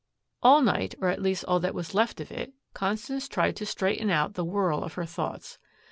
All night, or at least all that was left of it, Constance tried to straighten out the whirl of her thoughts.